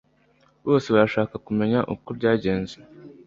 bose barashaka kumenya uko byagenze